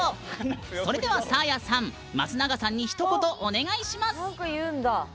それでは、サーヤさん松永さんにひと言お願いします。